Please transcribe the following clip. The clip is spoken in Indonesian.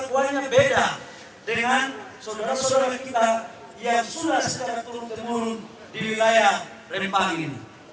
itu berharganya beda dengan saudara saudara kita yang sudah sejak turun kemurung di wilayah rempah ini